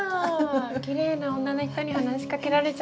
きれいな女の人に話しかけられちゃって。